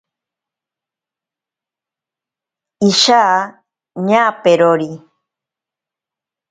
Isha ñaperori.